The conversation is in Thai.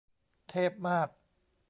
เทพมาก